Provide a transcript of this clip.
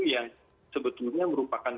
yang sebetulnya merupakan